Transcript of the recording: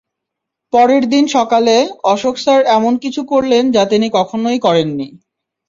পরের দিন সকালে, অশোক স্যার এমন কিছু করলেন যা তিনি কখনই করেন নি।